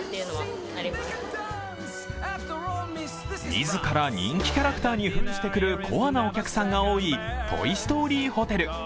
自ら人気キャラクターに扮してくるコアなお客さんが多いトイ・ストーリーホテル。